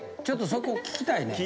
ちょっとそこ聞きたい。